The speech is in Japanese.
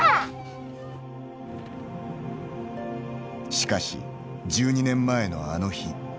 しかし、１２年前のあの日。